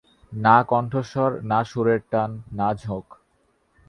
না কন্ঠস্বর, না সুরের টান, না ঝোঁক।